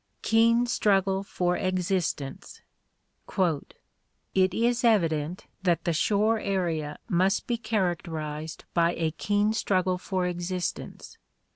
Keen Struggle for Existence. — "It is evident that the shore area must be characterized by a keen struggle for existence.